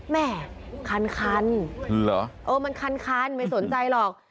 แม่คันคันเหรอเออมันคันไม่สนใจหรอก